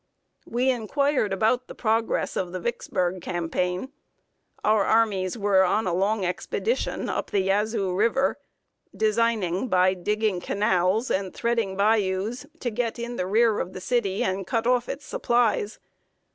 We inquired about the progress of the Vicksburg campaign. Our armies were on a long expedition up the Yazoo River, designing, by digging canals and threading bayous, to get in the rear of the city and cut off its supplies.